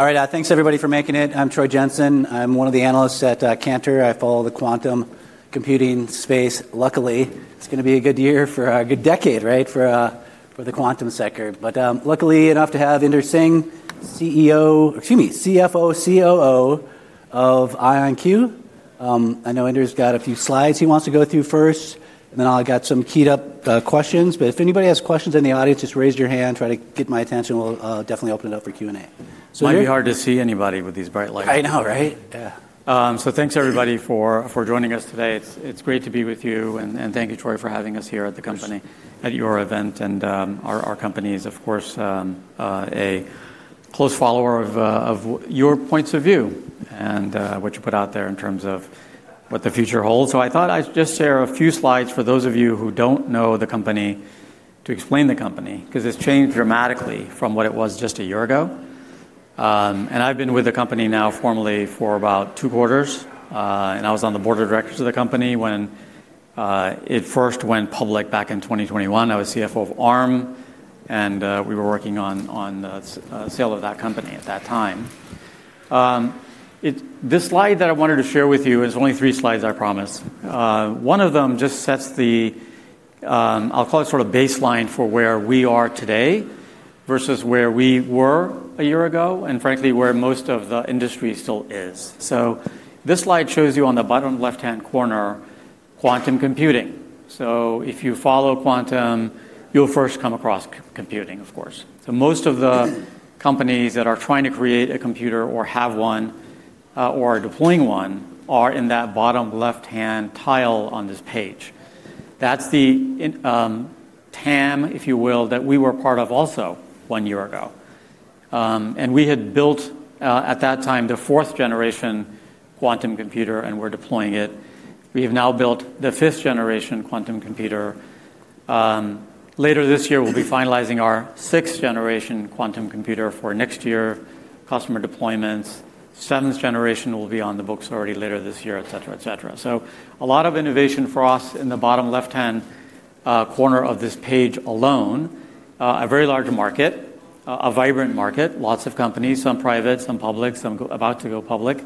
All right. Thanks everybody for making it. I'm Troy Jensen. I'm one of the analysts at Cantor. I follow the quantum computing space. Luckily, it's gonna be a good year for a good decade, right, for the quantum sector. Luckily enough to have Inder Singh CFO, COO of IonQ. I know Inder's got a few slides he wants to go through first, and then I'll get some queued up questions. If anybody has questions in the audience, just raise your hand, try to get my attention, we'll definitely open it up for Q&A. It might be hard to see anybody with these bright lights. I know, right? Yeah. Thanks everybody for joining us today. It's great to be with you. Thank you, Troy, for having us here at the company at your event. Our company is, of course, a close follower of your points of view and what you put out there in terms of what the future holds. I thought I'd just share a few slides for those of you who don't know the company to explain the company, 'cause it's changed dramatically from what it was just a year ago. I've been with the company now formally for about two quarters. I was on the board of directors of the company when it first went public back in 2021. I was CFO of Arm, and we were working on the sale of that company at that time. This slide that I wanted to share with you is only three slides, I promise. One of them just sets the, I'll call it sort of baseline for where we are today versus where we were a year ago, and frankly, where most of the industry still is. This slide shows you on the bottom left-hand corner, quantum computing. If you follow quantum, you'll first come across computing, of course. Most of the companies that are trying to create a computer or have one, or are deploying one are in that bottom left-hand tile on this page. That's the industry TAM, if you will, that we were part of also one year ago. We had built, at that time, the fourth generation quantum computer, and we're deploying it. We have now built the fifth generation quantum computer. Later this year, we'll be finalizing our sixth generation quantum computer for next year, customer deployments. Seventh generation will be on the books already later this year, et cetera, et cetera. A lot of innovation for us in the bottom left-hand corner of this page alone. A very large market, a vibrant market, lots of companies, some private, some public, some about to go public.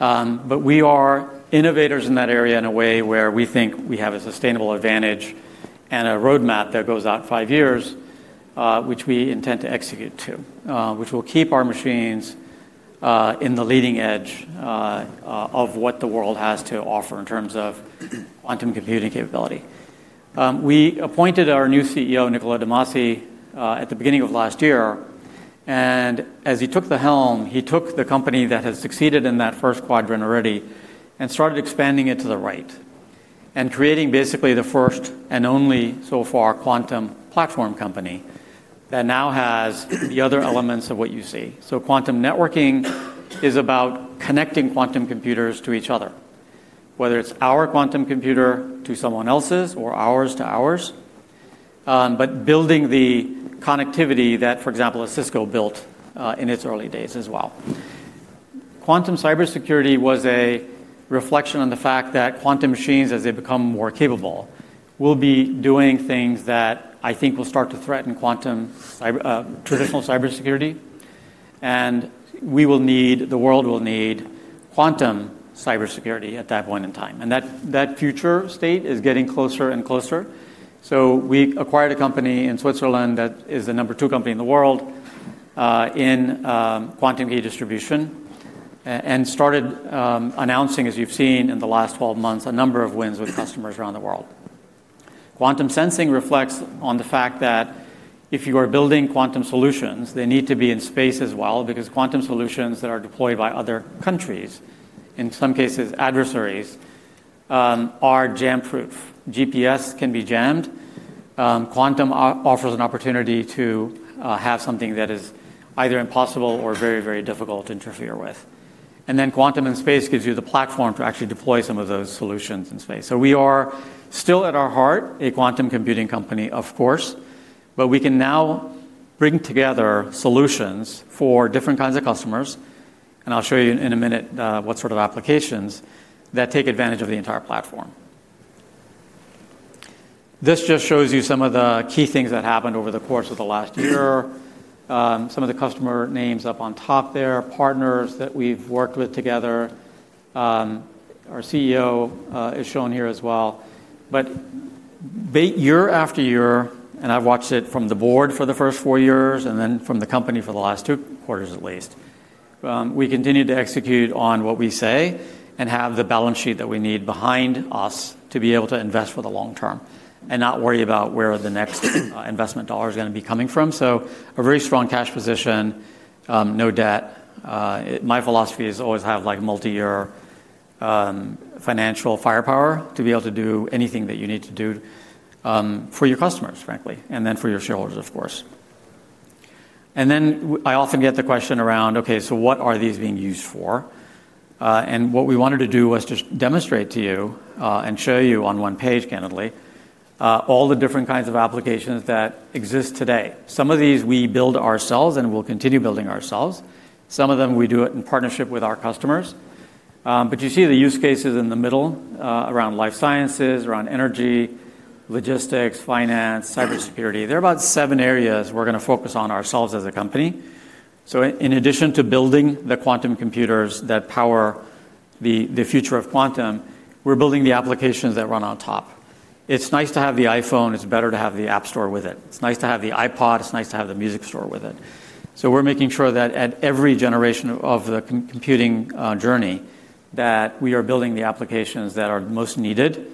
We are innovators in that area in a way where we think we have a sustainable advantage and a roadmap that goes out five years, which we intend to execute to, which will keep our machines in the leading edge of what the world has to offer in terms of quantum computing capability. We appointed our new CEO, Niccolo de Masi, at the beginning of last year. As he took the helm, he took the company that had succeeded in that first quadrant already and started expanding it to the right and creating basically the first and only so far quantum platform company that now has the other elements of what you see. Quantum networking is about connecting quantum computers to each other, whether it's our quantum computer to someone else's or ours to ours, but building the connectivity that, for example, a Cisco built in its early days as well. Quantum cybersecurity was a reflection on the fact that quantum machines, as they become more capable, will be doing things that I think will start to threaten traditional cybersecurity. We will need, the world will need quantum cybersecurity at that point in time. That future state is getting closer and closer. We acquired a company in Switzerland that is the number two company in the world in quantum key distribution and started announcing, as you've seen in the last 12 months, a number of wins with customers around the world. Quantum sensing reflects on the fact that if you are building quantum solutions, they need to be in space as well because quantum solutions that are deployed by other countries, in some cases adversaries, are jam-proof. GPS can be jammed. Quantum offers an opportunity to have something that is either impossible or very, very difficult to interfere with. Quantum in Space gives you the platform to actually deploy some of those solutions in space. We are still at our heart a quantum computing company, of course, but we can now bring together solutions for different kinds of customers, and I'll show you in a minute what sort of applications that take advantage of the entire platform. This just shows you some of the key things that happened over the course of the last year. Some of the customer names up on top there, partners that we've worked with together. Our CEO is shown here as well. Year after year, and I've watched it from the board for the first four years and then from the company for the last two quarters at least, we continue to execute on what we say and have the balance sheet that we need behind us to be able to invest for the long term and not worry about where the next investment dollar is gonna be coming from. A very strong cash position, no debt. My philosophy is always have, like, multi-year financial firepower to be able to do anything that you need to do for your customers, frankly, and then for your shareholders, of course. I often get the question around, okay, so what are these being used for? What we wanted to do was just demonstrate to you and show you on one page, candidly, all the different kinds of applications that exist today. Some of these we build ourselves and we'll continue building ourselves. Some of them, we do it in partnership with our customers. You see the use cases in the middle, around life sciences, around energy, logistics, finance, cybersecurity. There are about seven areas we're gonna focus on ourselves as a company. In addition to building the quantum computers that power the future of quantum, we're building the applications that run on top. It's nice to have the iPhone. It's better to have the App Store with it. It's nice to have the iPod. It's nice to have the music store with it. We're making sure that at every generation of the computing journey, that we are building the applications that are most needed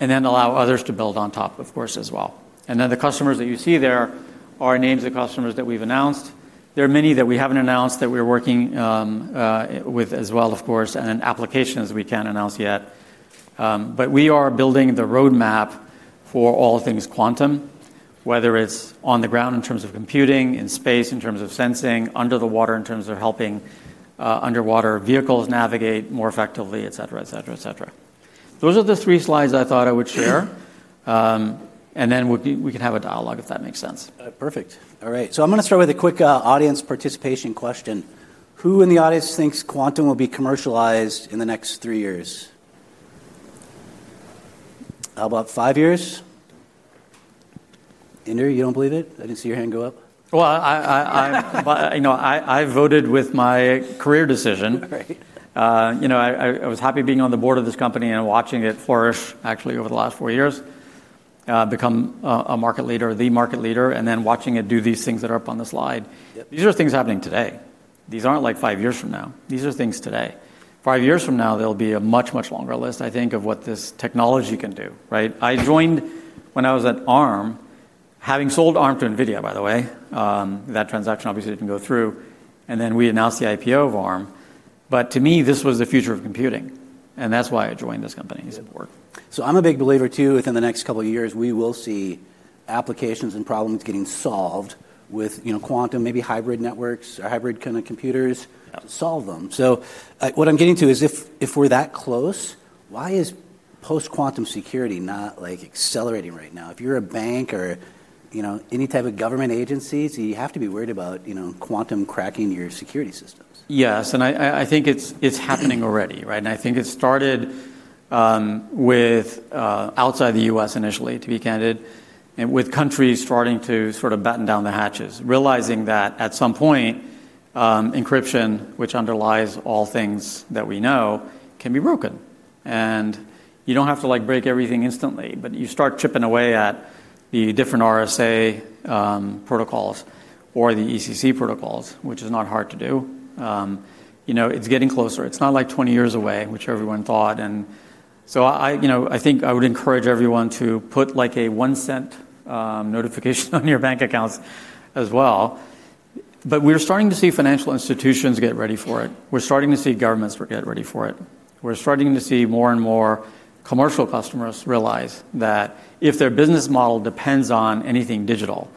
and then allow others to build on top, of course, as well. The customers that you see there are names of customers that we've announced. There are many that we haven't announced that we're working with as well, of course, and then applications we can't announce yet. We are building the roadmap for all things quantum, whether it's on the ground in terms of computing, in space in terms of sensing, under the water in terms of helping underwater vehicles navigate more effectively, et cetera, et cetera, et cetera. Those are the three slides I thought I would share. We can have a dialogue if that makes sense. Perfect. All right. I'm gonna start with a quick, audience participation question. Who in the audience thinks quantum will be commercialized in the next three years? How about five years? Inder, you don't believe it? I didn't see your hand go up. Well, you know, I voted with my career decision. Right. You know, I was happy being on the board of this company and watching it flourish, actually, over the last four years, become a market leader, the market leader, and then watching it do these things that are up on the slide. Yep. These are things happening today. These aren't like five years from now. These are things today. Five years from now, there'll be a much, much longer list, I think, of what this technology can do, right? I joined when I was at Arm, having sold Arm to NVIDIA, by the way. That transaction obviously didn't go through. Then we announced the IPO of Arm. To me, this was the future of computing, and that's why I joined this company. Yeah As it were. I'm a big believer too, within the next couple of years, we will see applications and problems getting solved with, you know, quantum, maybe hybrid networks or hybrid kinda computers. Yep to solve them. What I'm getting to is if we're that close, why is post-quantum security not, like, accelerating right now? If you're a bank or, you know, any type of government agencies, you have to be worried about, you know, quantum cracking your security systems. Yes, I think it's happening already, right? I think it started with outside the U.S. initially, to be candid, and with countries starting to sort of batten down the hatches, realizing that at some point, encryption, which underlies all things that we know, can be broken. You don't have to, like, break everything instantly, but you start chipping away at the different RSA protocols or the ECC protocols, which is not hard to do. You know, it's getting closer. It's not like 20 years away, which everyone thought. I think I would encourage everyone to put like a $0.01 notification on your bank accounts as well. We're starting to see financial institutions get ready for it. We're starting to see governments get ready for it. We're starting to see more and more commercial customers realize that if their business model depends on anything digital,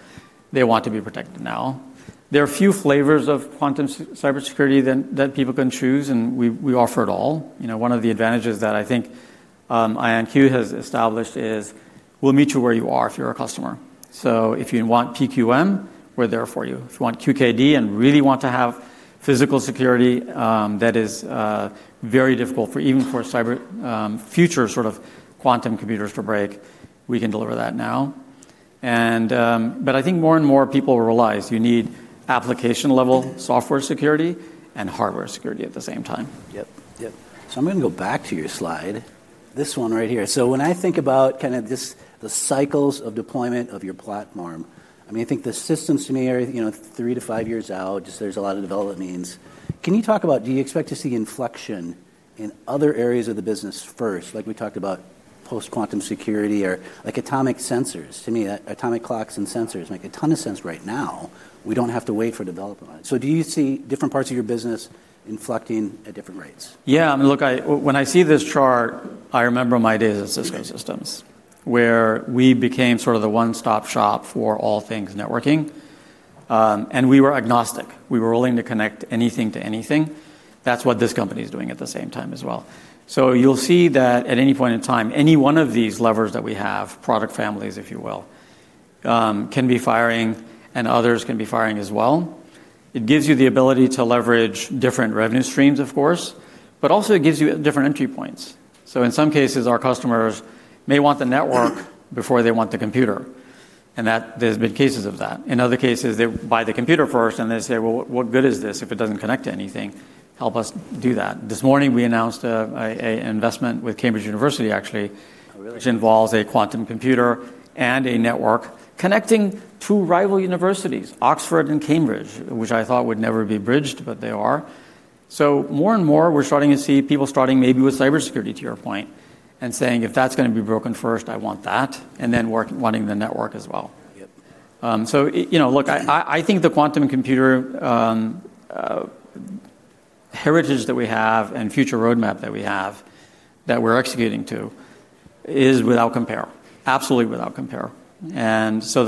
they want to be protected now. There are a few flavors of quantum cybersecurity that people can choose, and we offer it all. You know, one of the advantages that I think IonQ has established is we'll meet you where you are if you're a customer. So if you want PQC, we're there for you. If you want QKD and really want to have physical security that is very difficult for even future sort of quantum computers to break, we can deliver that now. I think more and more people realize you need application-level software security and hardware security at the same time. Yep. I'm gonna go back to your slide. This one right here. When I think about kinda this, the cycles of deployment of your platform, I mean, I think the systems to me are, you know, 3-5 years out, just there's a lot of development needs. Can you talk about, do you expect to see inflection in other areas of the business first? Like we talked about post-quantum security or like atomic sensors. To me, atomic clocks and sensors make a ton of sense right now. We don't have to wait for development. Do you see different parts of your business inflecting at different rates? Yeah. I mean, look, when I see this chart, I remember my days at Cisco Systems, where we became sort of the one-stop shop for all things networking. We were agnostic. We were willing to connect anything to anything. That's what this company is doing at the same time as well. You'll see that at any point in time, any one of these levers that we have, product families, if you will, can be firing and others can be firing as well. It gives you the ability to leverage different revenue streams, of course, but also it gives you different entry points. In some cases, our customers may want the network before they want the computer, and that there's been cases of that. In other cases, they buy the computer first and they say, "Well, what good is this if it doesn't connect to anything? Help us do that." This morning, we announced an investment with University of Cambridge, actually- Oh, really? which involves a quantum computer and a network connecting two rival universities, Oxford and Cambridge, which I thought would never be bridged, but they are. More and more, we're starting to see people starting maybe with cybersecurity, to your point, and saying, "If that's gonna be broken first, I want that," and then wanting the network as well. Yep. You know, look, I think the quantum computer heritage that we have and future roadmap that we have that we're executing to is without compare, absolutely without compare. The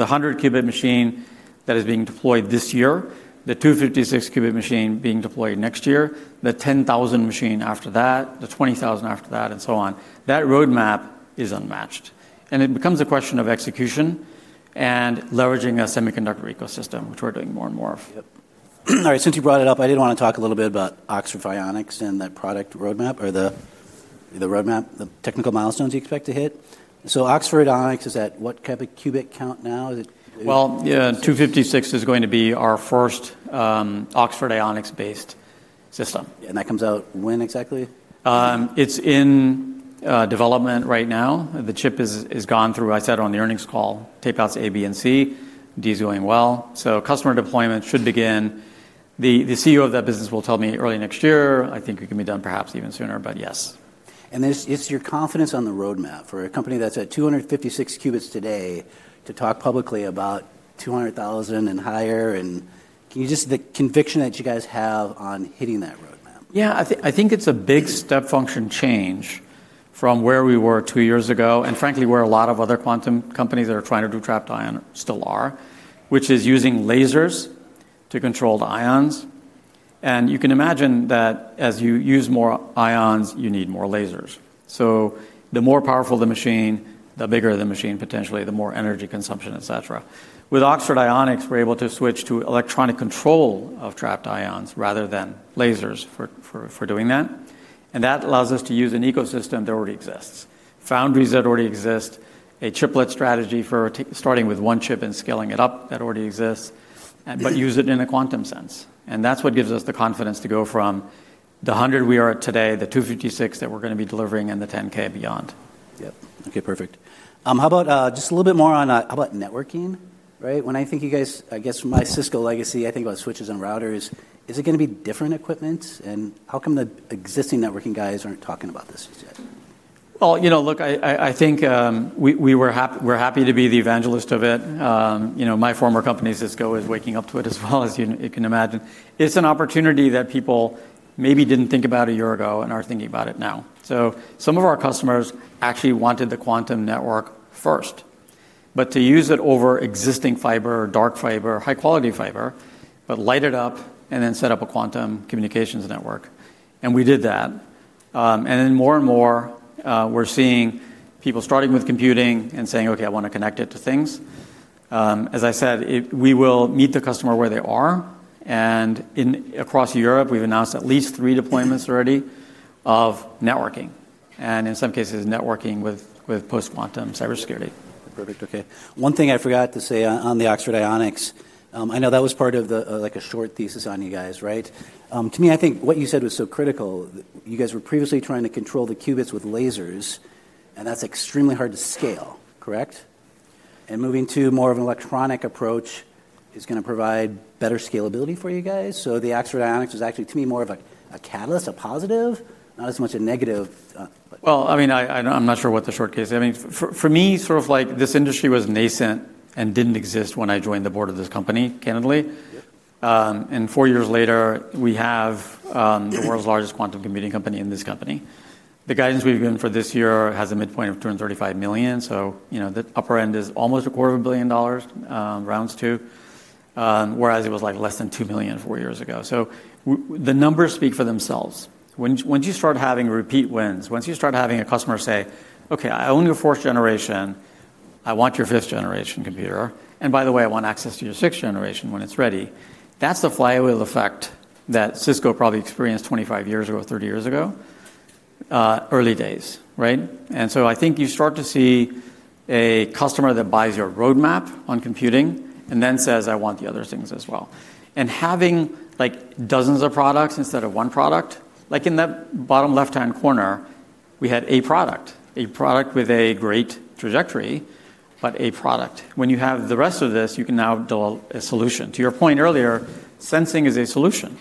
100-qubit machine that is being deployed this year, the 256-qubit machine being deployed next year, the 10,000 machine after that, the 20,000 after that, and so on, that roadmap is unmatched. It becomes a question of execution and leveraging a semiconductor ecosystem, which we're doing more and more of. Yep. All right, since you brought it up, I did wanna talk a little bit about Oxford Ionics and that product roadmap or the roadmap, the technical milestones you expect to hit. Oxford Ionics is at what qubit count now? Is it- Well, yeah, 256 is going to be our first Oxford Ionics-based system. That comes out when exactly? It's in development right now. The chip is gone through. I said on the earnings call, tape outs A, B, and C. D is going well. Customer deployment should begin. The CEO of that business will tell me early next year. I think it can be done perhaps even sooner, but yes. This is your confidence on the roadmap for a company that's at 256 qubits today to talk publicly about 200,000 and higher and the conviction that you guys have on hitting that roadmap. Yeah. I think it's a big step function change from where we were two years ago and frankly, where a lot of other quantum companies that are trying to do trapped ion still are, which is using lasers to control the ions. You can imagine that as you use more ions, you need more lasers. The more powerful the machine, the bigger the machine, potentially, the more energy consumption, et cetera. With Oxford Ionics, we're able to switch to electronic control of trapped ions rather than lasers for doing that. That allows us to use an ecosystem that already exists. Foundries that already exist, a chiplet strategy for starting with one chip and scaling it up that already exists, but use it in a quantum sense. That's what gives us the confidence to go from the 100 we are at today, the 256 that we're gonna be delivering and the 10,000 beyond. Yep. Okay, perfect. How about just a little bit more on how about networking? Right. When I think you guys, I guess from my Cisco legacy, I think about switches and routers. Is it gonna be different equipment? How come the existing networking guys aren't talking about this yet? Well, you know, look, I think we're happy to be the evangelist of it. You know, my former company, Cisco, is waking up to it as well, as you can imagine. It's an opportunity that people maybe didn't think about a year ago and are thinking about it now. Some of our customers actually wanted the quantum network first, but to use it over existing fiber or dark fiber, high quality fiber, but light it up and then set up a quantum communications network. We did that. More and more, we're seeing people starting with computing and saying, "Okay, I wanna connect it to things." As I said, we will meet the customer where they are. Across Europe, we've announced at least three deployments already of networking and in some cases, networking with post-quantum cybersecurity. Perfect. Okay. One thing I forgot to say on the Oxford Ionics, I know that was part of the, like a short thesis on you guys, right? To me, I think what you said was so critical, you guys were previously trying to control the qubits with lasers, and that's extremely hard to scale, correct? Moving to more of an electronic approach is gonna provide better scalability for you guys. The Oxford Ionics is actually, to me, more of a catalyst, a positive, not as much a negative. Well, I mean, I’m not sure what the short case. I mean, for me, sort of like this industry was nascent and didn’t exist when I joined the board of this company, candidly. 4 years later, we have the world’s largest quantum computing company is this company. The guidance we’ve given for this year has a midpoint of $235 million. You know, the upper end is almost a quarter of a billion dollars, rounds two, whereas it was like less than $2 million four years ago. The numbers speak for themselves. Once you start having repeat wins, once you start having a customer say, “Okay, I own your fourth generation.” I want your 5th generation computer, and by the way, I want access to your 6th generation when it's ready," that's the flywheel effect that Cisco probably experienced 25 years ago, 30 years ago, early days, right? I think you start to see a customer that buys your roadmap on computing and then says, "I want the other things as well." Having, like, dozens of products instead of one product. Like in that bottom left-hand corner, we had a product, a product with a great trajectory, but a product. When you have the rest of this, you can now build a solution. To your point earlier, sensing is a solution.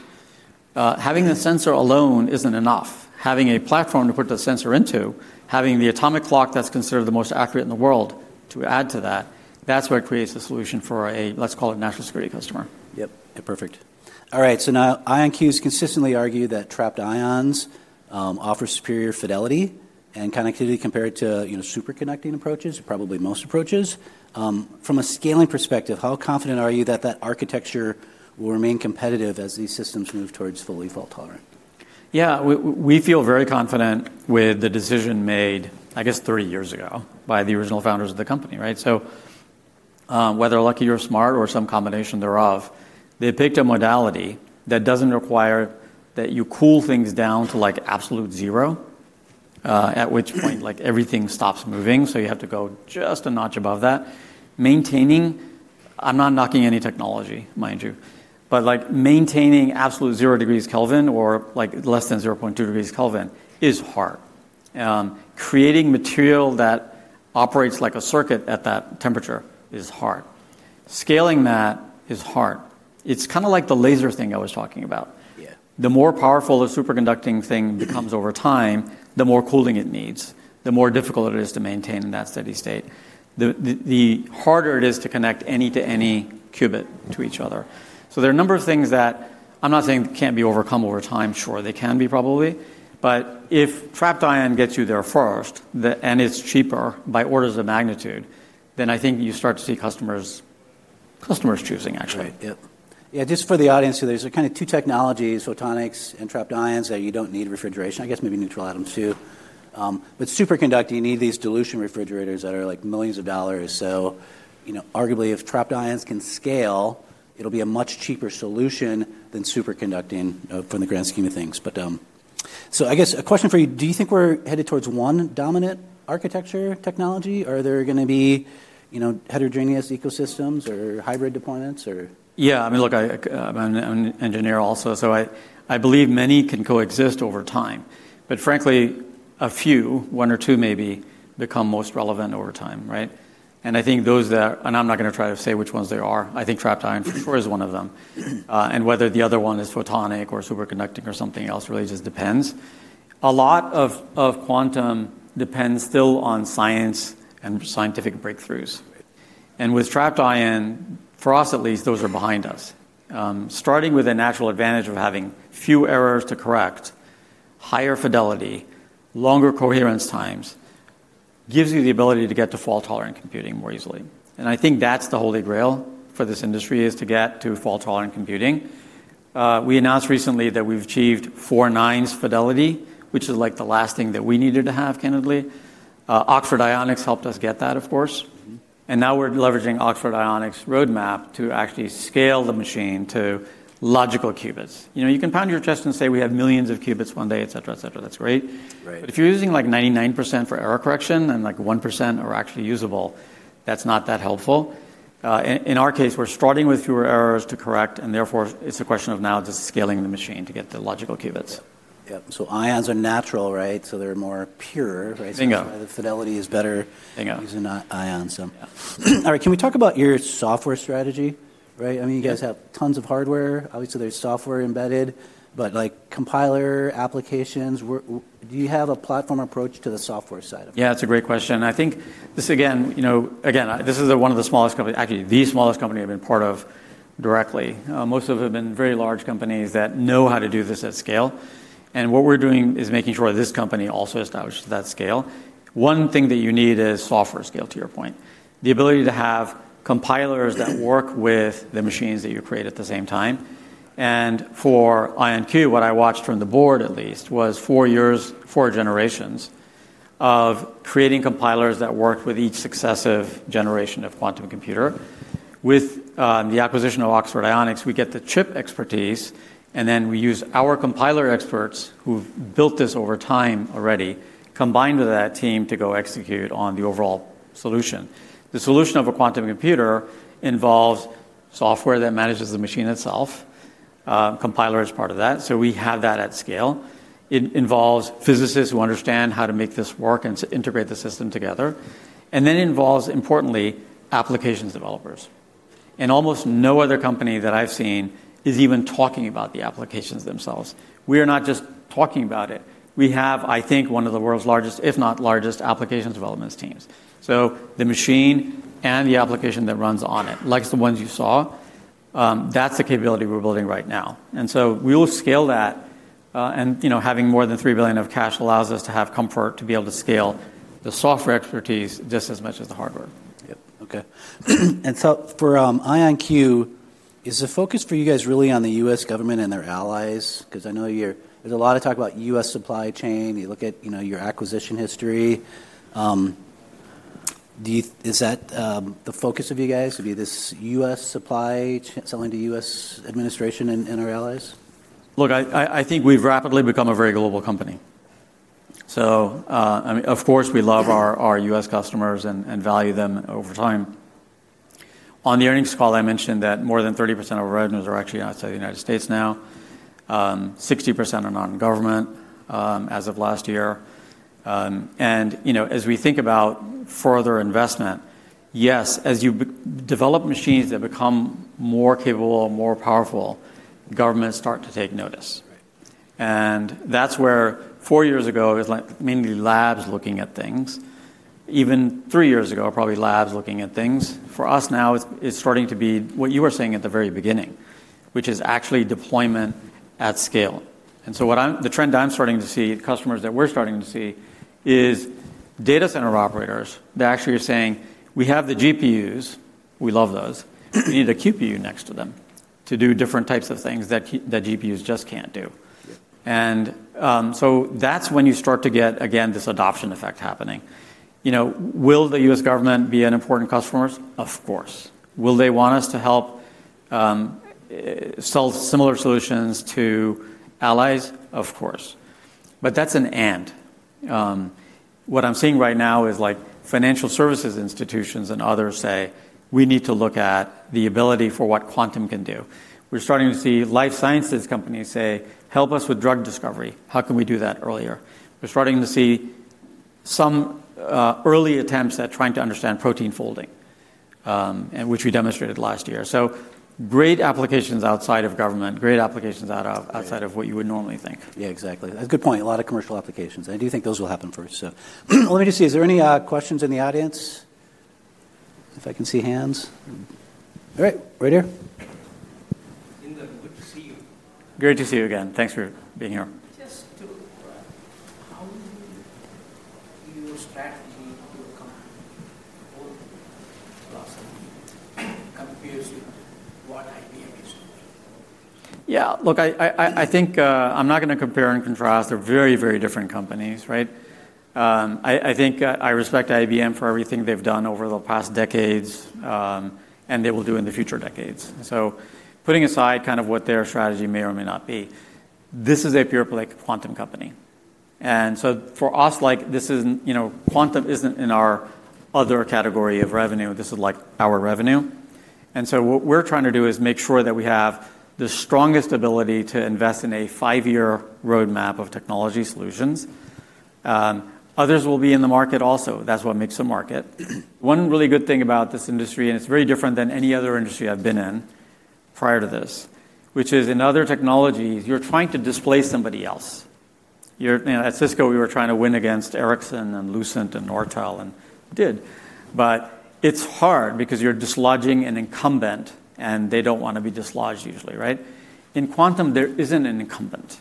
Having a sensor alone isn't enough. Having a platform to put the sensor into, having the atomic clock that's considered the most accurate in the world to add to that's what creates a solution for a, let's call it national security customer. Yep. Yeah, perfect. All right, now IonQ's consistently argued that trapped ions offer superior fidelity and connectivity compared to, you know, superconducting approaches, probably most approaches. From a scaling perspective, how confident are you that that architecture will remain competitive as these systems move towards fully fault-tolerant? Yeah. We feel very confident with the decision made, I guess, 30 years ago by the original founders of the company, right? Whether lucky or smart or some combination thereof, they picked a modality that doesn't require that you cool things down to, like, absolute zero, at which point, like, everything stops moving, so you have to go just a notch above that. Maintaining, I'm not knocking any technology, mind you, but, like, maintaining absolute zero degrees Kelvin or, like, less than 0.2 degrees Kelvin is hard. Creating material that operates like a circuit at that temperature is hard. Scaling that is hard. It's kinda like the laser thing I was talking about. Yeah. The more powerful the superconducting thing becomes over time, the more cooling it needs, the more difficult it is to maintain in that steady state, the harder it is to connect any to any qubit to each other. There are a number of things that I'm not saying can't be overcome over time. Sure, they can be probably. If trapped ion gets you there first, and it's cheaper by orders of magnitude, then I think you start to see customers choosing actually. Right. Yep. Yeah, just for the audience, so there's kind of two technologies, photonics and trapped ions, that you don't need refrigeration, I guess maybe neutral atoms too. Superconducting, you need these dilution refrigerators that are, like, millions of dollars. You know, arguably, if trapped ions can scale, it'll be a much cheaper solution than superconducting from the grand scheme of things. I guess a question for you, do you think we're headed towards one dominant architecture technology? Are there gonna be, you know, heterogeneous ecosystems or hybrid deployments or? Yeah, I mean, look, I'm an engineer also, so I believe many can coexist over time. Frankly, a few, one or two maybe, become most relevant over time, right? I think I'm not gonna try to say which ones they are. I think trapped ion for sure is one of them. Whether the other one is photonic or superconducting or something else really just depends. A lot of quantum depends still on science and scientific breakthroughs. With trapped ion, for us at least, those are behind us. Starting with a natural advantage of having few errors to correct, higher fidelity, longer coherence times, gives you the ability to get to fault-tolerant computing more easily. I think that's the holy grail for this industry, is to get to fault-tolerant computing. We announced recently that we've achieved four nines fidelity, which is, like, the last thing that we needed to have, candidly. Oxford Ionics helped us get that, of course. Mm-hmm. Now we're leveraging Oxford Ionics' roadmap to actually scale the machine to logical qubits. You know, you can pound your chest and say we have millions of qubits one day, et cetera, et cetera. That's great. Right. If you're using, like, 99% for error correction and, like, 1% are actually usable, that's not that helpful. In our case, we're starting with fewer errors to correct, and therefore it's a question of now just scaling the machine to get the logical qubits. Yep. Ions are natural, right? They're more pure, right? Bingo. The fidelity is better- Bingo using ions, so. Yeah. All right. Can we talk about your software strategy, right? I mean, you guys have tons of hardware. Obviously, there's software embedded, but, like, compiler applications. Do you have a platform approach to the software side of it? Yeah, it's a great question, and I think this again, you know. This is one of the smallest companies, actually the smallest company I've been part of directly. Most of them have been very large companies that know how to do this at scale. What we're doing is making sure this company also establishes that scale. One thing that you need is software scale, to your point. The ability to have compilers that work with the machines that you create at the same time. For IonQ, what I watched from the board at least was four years, four generations of creating compilers that work with each successive generation of quantum computer. With the acquisition of Oxford Ionics, we get the chip expertise, and then we use our compiler experts who've built this over time already, combined with that team to go execute on the overall solution. The solution of a quantum computer involves software that manages the machine itself. Compiler is part of that, so we have that at scale. It involves physicists who understand how to make this work and to integrate the system together. Involves, importantly, applications developers. Almost no other company that I've seen is even talking about the applications themselves. We are not just talking about it. We have, I think, one of the world's largest, if not largest, applications development teams. The machine and the application that runs on it, like the ones you saw, that's the capability we're building right now. We will scale that, and, you know, having more than $3 billion of cash allows us to have comfort to be able to scale the software expertise just as much as the hardware. Yep. Okay. For IonQ, is the focus for you guys really on the U.S. government and their allies? 'Cause I know there's a lot of talk about U.S. supply chain. You look at, you know, your acquisition history. Is that the focus of you guys? Would be this U.S. supply chain selling to U.S. administration and our allies? Look, I think we've rapidly become a very global company. I mean, of course we love our U.S. customers and value them over time. On the earnings call, I mentioned that more than 30% of our revenues are actually outside the United States now. 60% are non-government, as of last year. You know, as we think about further investment, yes, as you develop machines that become more capable and more powerful, governments start to take notice. Right. That's where four years ago, it was, like, mainly labs looking at things. Even three years ago, it probably labs looking at things. For us now, it's starting to be what you were saying at the very beginning, which is actually deployment at scale. What I'm, the trend I'm starting to see, customers that we're starting to see, is data center operators that actually are saying, "We have the GPUs. We love those. We need a QPU next to them to do different types of things that GPUs just can't do. Yep. That's when you start to get, again, this adoption effect happening. You know, will the U.S. government be an important customer? Of course. Will they want us to help sell similar solutions to allies? Of course. But that's an and. What I'm seeing right now is, like, financial services institutions and others say, "We need to look at the ability for what quantum can do." We're starting to see life sciences companies say, "Help us with drug discovery. How can we do that earlier?" We're starting to see some early attempts at trying to understand protein folding, and which we demonstrated last year. Great applications outside of government, great applications out of- Yeah ...outside of what you would normally think. Yeah, exactly. That's a good point. A lot of commercial applications. I do think those will happen first. Let me just see. Is there any questions in the audience? If I can see hands. All right. Right here. Inder, good to see you. Great to see you again. Thanks for being here. Just to clarify, how will you use strategy to overcome both philosophy compares to what IBM? Yeah, look, I think I'm not gonna compare and contrast. They're very, very different companies, right? I think I respect IBM for everything they've done over the past decades, and they will do in the future decades. Putting aside kind of what their strategy may or may not be, this is a pure play quantum company. For us, like, this isn't, you know, quantum isn't in our other category of revenue. This is, like, our revenue. What we're trying to do is make sure that we have the strongest ability to invest in a five-year roadmap of technology solutions. Others will be in the market also. That's what makes a market. One really good thing about this industry, and it's very different than any other industry I've been in prior to this, which is in other technologies, you're trying to displace somebody else. You know, at Cisco, we were trying to win against Ericsson and Lucent and Nortel and did. It's hard because you're dislodging an incumbent, and they don't wanna be dislodged usually, right? In quantum, there isn't an incumbent.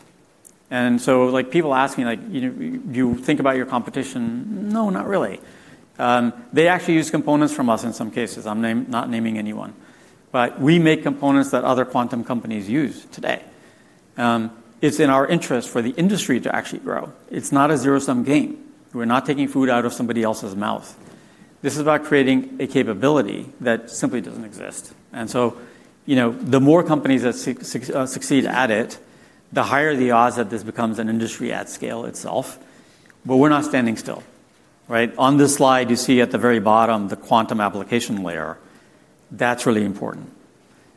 Like, people ask me, like, you think about your competition. No, not really. They actually use components from us in some cases. I'm not naming anyone. We make components that other quantum companies use today. It's in our interest for the industry to actually grow. It's not a zero-sum game. We're not taking food out of somebody else's mouth. This is about creating a capability that simply doesn't exist. You know, the more companies that succeed at it, the higher the odds that this becomes an industry at scale itself, but we're not standing still, right? On this slide, you see at the very bottom the quantum application layer. That's really important.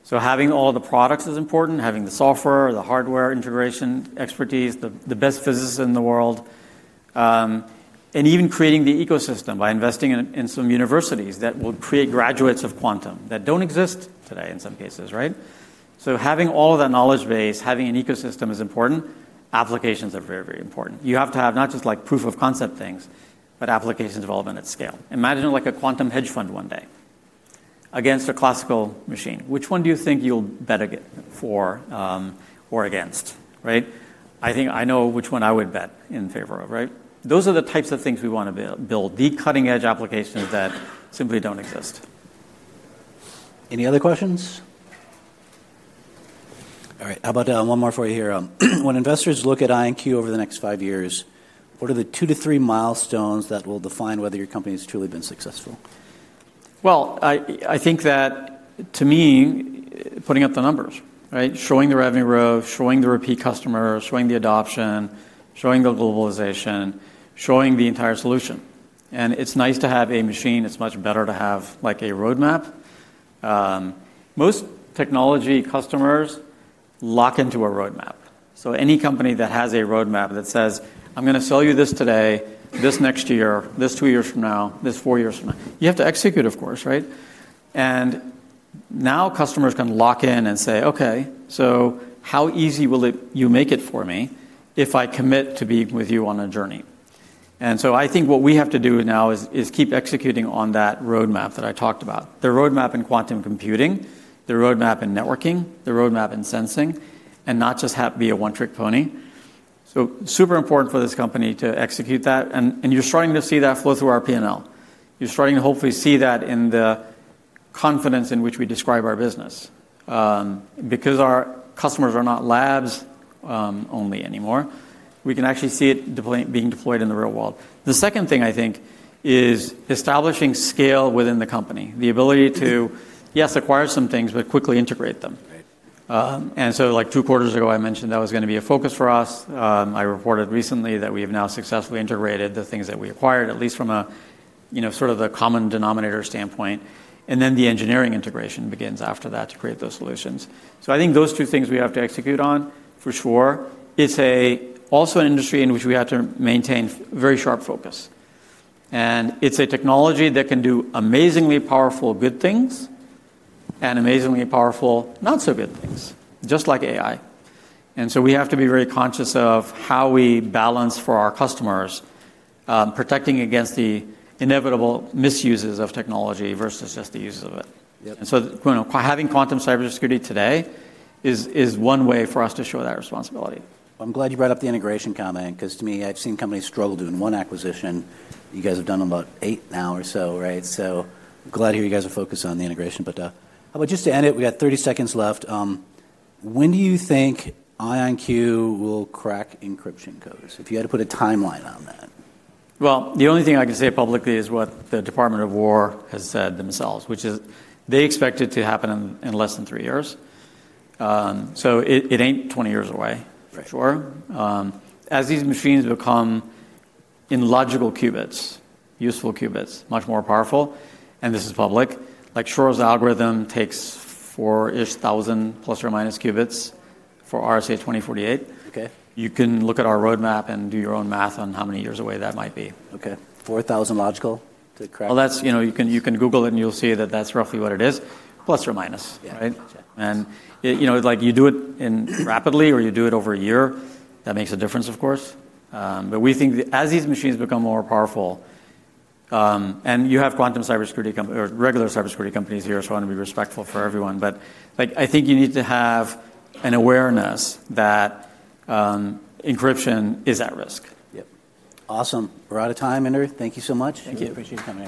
Having all the products is important, having the software, the hardware integration expertise, the best physicists in the world, and even creating the ecosystem by investing in some universities that will create graduates of quantum that don't exist today in some cases, right? Having all of that knowledge base, having an ecosystem is important. Applications are very, very important. You have to have not just, like, proof of concept things, but application development at scale. Imagine, like, a quantum hedge fund one day against a classical machine. Which one do you think you'll bet for, or against, right? I think I know which one I would bet in favor of, right? Those are the types of things we wanna build the cutting edge applications that simply don't exist. Any other questions? All right, how about one more for you here. When investors look at IonQ over the next five years, what are the two to three milestones that will define whether your company has truly been successful? Well, I think that to me, putting up the numbers, right? Showing the revenue row, showing the repeat customer, showing the adoption, showing the globalization, showing the entire solution. It's nice to have a machine. It's much better to have, like, a roadmap. Most technology customers lock into a roadmap. Any company that has a roadmap that says, "I'm gonna sell you this today, this next year, this two years from now, this four years from now," you have to execute, of course, right? Now customers can lock in and say, "Okay, so how easy will you make it for me if I commit to be with you on a journey?" I think what we have to do now is keep executing on that roadmap that I talked about, the roadmap in quantum computing, the roadmap in networking, the roadmap in sensing, and not just be a one-trick pony. Super important for this company to execute that, and you're starting to see that flow through our P&L. You're starting to hopefully see that in the confidence in which we describe our business. Because our customers are not labs only anymore, we can actually see it being deployed in the real world. The second thing I think is establishing scale within the company, the ability to, yes, acquire some things, but quickly integrate them. Right. Like, two quarters ago, I mentioned that was gonna be a focus for us. I reported recently that we have now successfully integrated the things that we acquired, at least from a, you know, sort of the common denominator standpoint, and then the engineering integration begins after that to create those solutions. I think those two things we have to execute on for sure. It's also an industry in which we have to maintain very sharp focus, and it's a technology that can do amazingly powerful good things and amazingly powerful not so good things, just like AI. We have to be very conscious of how we balance for our customers, protecting against the inevitable misuses of technology versus just the uses of it- Yep. you know, having quantum cybersecurity today is one way for us to show that responsibility. I'm glad you brought up the integration comment 'cause to me, I've seen companies struggle doing one acquisition. You guys have done about eight now or so, right? Glad to hear you guys are focused on the integration. How about just to end it, we got 30 seconds left, when do you think IonQ will crack encryption codes, if you had to put a timeline on that? Well, the only thing I can say publicly is what the Department of Defense has said themselves, which is they expect it to happen in less than three years. It ain't 20 years away. Right For sure. As these machines become in logical qubits, useful qubits, much more powerful, and this is public, like Shor's Algorithm takes 4,000-ish ± qubits for RSA-2048. Okay. You can look at our roadmap and do your own math on how many years away that might be. Okay. 4,000 logical to crack- Well, that's, you know, you can Google it, and you'll see that that's roughly what it is, plus or minus. Yeah. Gotcha. Right? It, you know, like you do it in rapidity or you do it over a year, that makes a difference of course. We think as these machines become more powerful, and you have quantum cybersecurity or regular cybersecurity companies here, so I wanna be respectful for everyone. Like, I think you need to have an awareness that, encryption is at risk. Yep. Awesome. We're out of time, Inder Singh. Thank you so much. Thank you. Appreciate you coming.